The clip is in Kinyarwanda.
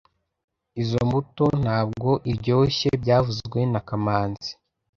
Izoi mbuto ntabwo iryoshye byavuzwe na kamanzi